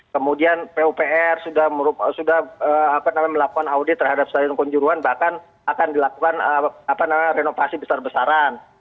kemudian pupr sudah melakukan audit terhadap stadion konjuruan bahkan akan dilakukan renovasi besar besaran